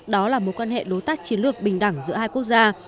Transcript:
đó là mối quan hệ đối tác chiến lược bình đẳng giữa hai quốc gia